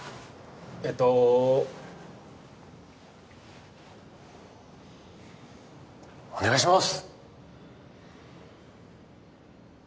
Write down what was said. えっとお願いします！